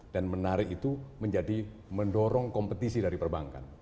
dan menarik itu menjadi mendorong kompetisi dari perbankan